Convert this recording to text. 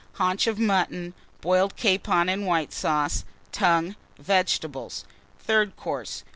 Haunch of Mutton. Boiled Capon and White Sauce. Tongue. Vegetables. THIRD COURSE.